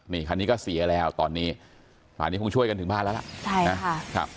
นี่คันนี้ก็เสียแล้วตอนนี้อันนี้คงช่วยกันถึงบ้านแล้วล่ะ